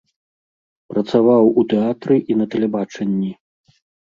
Працаваў у тэатры і на тэлебачанні.